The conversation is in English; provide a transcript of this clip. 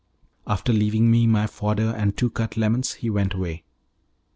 After leaving me my fodder and two cut lemons he went away.